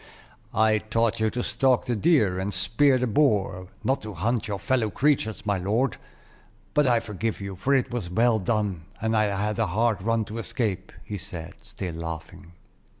"I taught you to stalk the deer, and spear the boar, not to hunt your fellow creatures, my lord. But I forgive you, for it was well done, and I had a hard run to escape," he said, still laughing.